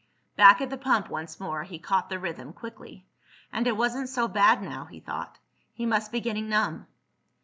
Back at the pump once more, he caught the rhythm quickly. And it wasn't so bad now, he thought. He must be getting numb.